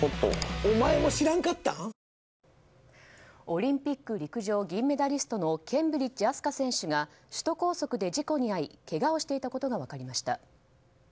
オリンピック陸上銀メダリストのケンブリッジ飛鳥選手が首都高速で事故に遭いけがをしていたことが分かりました。